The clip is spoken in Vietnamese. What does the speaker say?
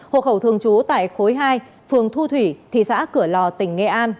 hộ khẩu thường trú tại khối hai phường thu thủy thị xã cửa lò tỉnh nghệ an